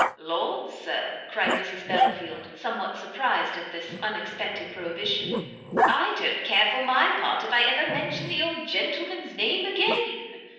"Lord, Sir," cried Mrs Belfield, somewhat surprised at this unexpected prohibition, "I don't care for my part if I never mention the old gentleman's name again!